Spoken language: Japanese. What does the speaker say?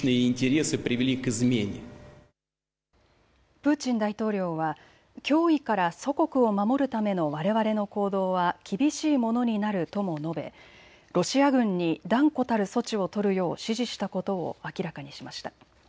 プーチン大統領は脅威から祖国を守るためのわれわれの行動は厳しいものになるとも述べロシア軍に断固たる措置を取るよう指示したことを明らかにしました。